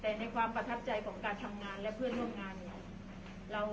แต่ในความประทับใจของการทำงานและเพื่อนร่วมงานเนี่ย